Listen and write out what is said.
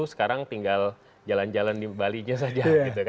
sekarang tinggal jalan jalan di balinya saja